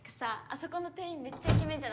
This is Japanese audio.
そこの店員めっちゃイケメンじゃなかった？